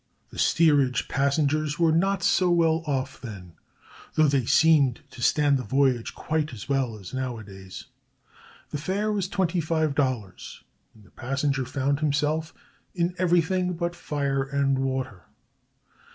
] The steerage passengers were not so well off then, though they seemed to stand the voyage quite as well as nowadays. The fare was twenty five dollars, and the passenger found himself "in everything but fire and water."